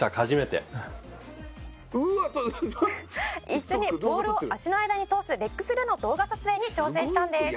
「一緒にボールを足の間に通すレッグスルーの動画撮影に挑戦したんです」